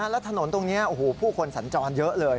แล้วถนนตรงนี้ผู้คนสัญจรเยอะเลย